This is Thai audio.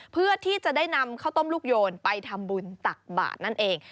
เพื่อที่จะได้นำข้าวต้มลูกโยนไปทำบุญตักบาทนั่นเอง